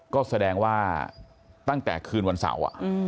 ก็แสดงว่าตั้งแต่คืนวรรษาว